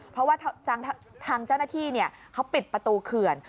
เพราะว่าทางเจ้าหน้าที่เขาปิดประตูเขื่อน